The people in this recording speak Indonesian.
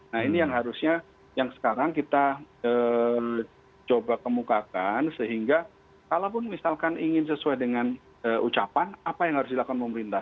nah ini yang harusnya yang sekarang kita coba kemukakan sehingga kalaupun misalkan ingin sesuai dengan ucapan apa yang harus dilakukan pemerintah